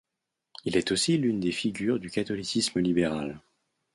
Il est aussi l'une des figures du catholicisme libéral.